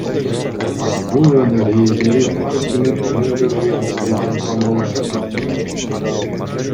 Бул өнөр ээлери ар күнү тыным көрбөй иштеп жаткан болушат.